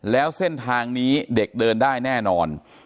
แล้วเส้นทางนี้เด็กเดินได้แน่นอน